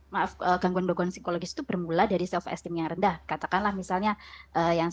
maaf gangguan begon psikologis itu bermula dari self estem yang rendah katakanlah misalnya yang